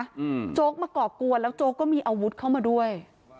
โจ๊กมาก่อกวนแล้วโจ๊กก็มีอาวุธเข้ามาด้วย